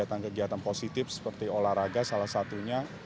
dan juga mendukung kemampuan yang positif seperti olahraga salah satunya